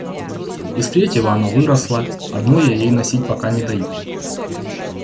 Из третьего она выросла, одно я ей носить пока не даю.